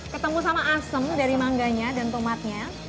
ketemu sama asem dari mangganya dan tomatnya